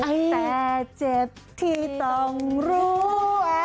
แต่เจ็บที่ต้องรู้